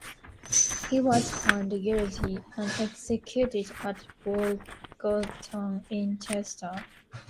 He was found guilty and executed at Boughton in Chester.